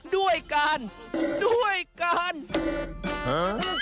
ด้วยกันด้วยการหา